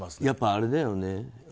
やっぱりあれだよね。